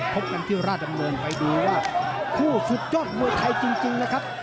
๓๑พบกันที่ราชมือมไปดูว่าคู่สุดยอดมือไทยจริงนะครับ